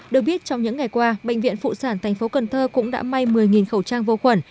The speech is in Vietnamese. được biết trong những ngày qua bệnh viện phụ sản thành phố cần thơ cũng đã may một mươi khẩu trang vô khuẩn